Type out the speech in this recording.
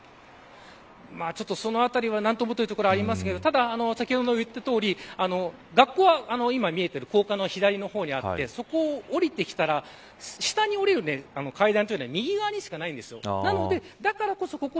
そのあたりは何とも言えないところはありますが先ほど言ったとおり学校は今見えている高架の左の方にあってそこを降りてきたら下に降りる階段は右側にしかないんです。